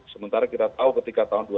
sementara kita tahu ketika tahun dua ribu dua